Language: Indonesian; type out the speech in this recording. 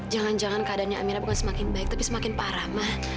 jangan jangan keadaannya amira bukan semakin baik tapi semakin parah